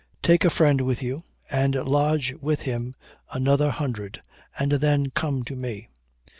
Take a friend with you, and lodge with him another hundred, and then come to me."